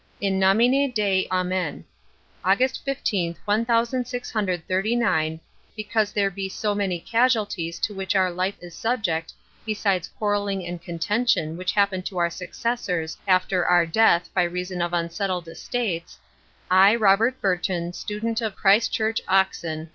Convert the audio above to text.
In nomine Dei Amen. August 15th One thousand six hundred thirty nine because there be so many casualties to which our life is subject besides quarrelling and contention which happen to our Successors after our Death by reason of unsettled Estates I Robert Burton Student of Christ church Oxon.